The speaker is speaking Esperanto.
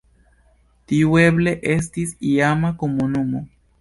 Tiu eble estis iama komunumo.